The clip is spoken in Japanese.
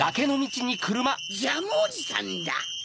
ジャムおじさんだ！